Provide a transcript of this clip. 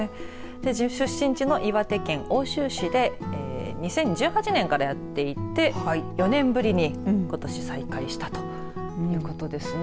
出身地の岩手県奥州市で２０１８年からやっていて４年ぶりに、ことし再開したということですね。